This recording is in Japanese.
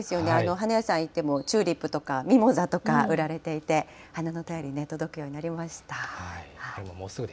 花屋さん行っても、チューリップとかミモザとか売られていて、花の便り、届くようになりました。